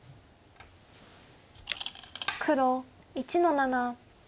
黒１の七。